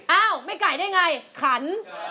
เอ้าไม่ไก่ได้อย่างไรขัน